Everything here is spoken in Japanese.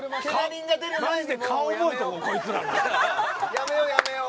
やめよう、やめよう。